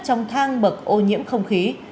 trong thang bậc ô nhiễm không khí